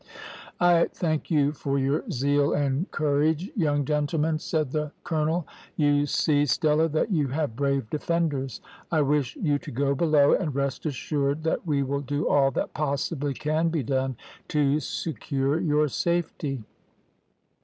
"`I thank you for your zeal and courage, young gentlemen,' said the colonel. `You see, Stella, that you have brave defenders. I wish you to go below, and rest assured that we will do all that possibly can be done to secure your safety.'